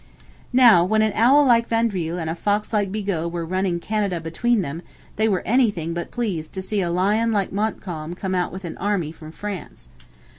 Now, when an owl like Vaudreuil and a fox like Bigot were ruining Canada between them, they were anything but pleased to see a lion like Montcalm come out with an army from France.